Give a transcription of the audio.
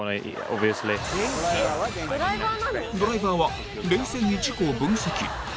ドライバーは冷静に事故を分析。